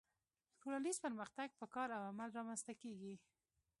ټولنیز پرمختګ په کار او عمل رامنځته کیږي